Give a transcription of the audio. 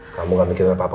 kamu gak mikirin apa apa